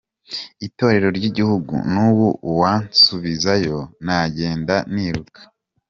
Itorero ry’igihugu? N’ubu uwansubizayo nagenda niruka”.